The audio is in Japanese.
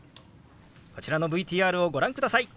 こちらのＶＴＲをご覧ください。